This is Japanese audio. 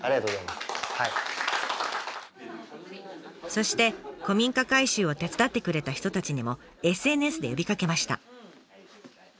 そして古民家改修を手伝ってくれた人たちにもＳＮＳで呼びかけました。